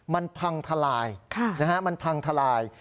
มันพังทลายมันพังทลาย